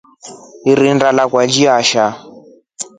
Irinda lakwa liyasha.